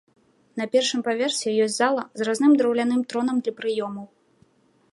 На першым паверсе ёсць зала з разным драўляным тронам для прыёмаў.